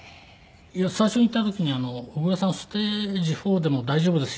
最初に行った時に「小倉さんステージⅣでも大丈夫ですよ」